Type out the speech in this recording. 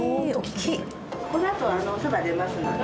このあとおそば出ますので。